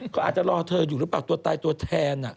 ก็อาจจะรอเธออยู่หรือเปล่าตัวตายตัวแทน